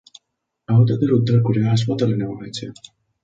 আহতদের উদ্ধার করে হাসপাতালে নেওয়া হয়েছে।